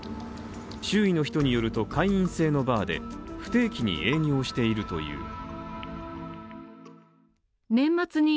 周囲の人によると会員制のバーで不定期に営業しているという。